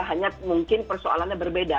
hanya mungkin persoalannya berbeda